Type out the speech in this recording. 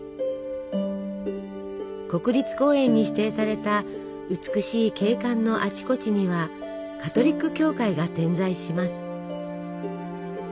国立公園に指定された美しい景観のあちこちにはカトリック教会が点在します。